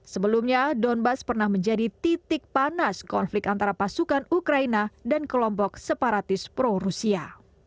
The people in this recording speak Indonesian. sebelumnya donbass pernah menjadi titik panas konflik antara pasukan ukraina dan kelompok separatis pro rusia